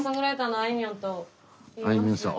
あいみょんさん。